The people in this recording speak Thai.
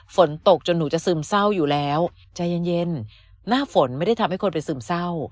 ฝนตกจนหนูจะซึมเศร้าอยู่แล้วใจเย็นหน้าฝนไม่ได้ทำให้คนไปซึมเศร้า